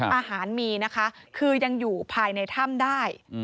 อาหารมีนะคะคือยังอยู่ภายในถ้ำได้